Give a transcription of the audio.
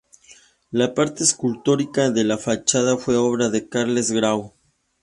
La parte escultórica de la fachada fue obra de Carles Grau.